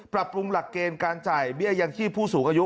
ปรับปรุงหลักเกณฑ์การจ่ายเบี้ยยังชีพผู้สูงอายุ